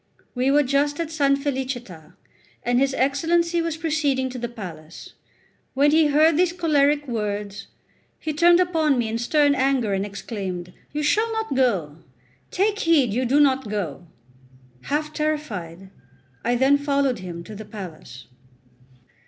We were just at S. Felicita, and his Excellency was proceeding to the palace. When he heard these choleric words, he turned upon me in stern anger and exclaimed: "You shall not go; take heed you do not go!" Half terrified, I then followed him to the palace.